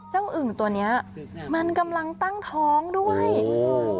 เจ้าอึงตัวนี้มันกำลังตั้งท้องด้วยโห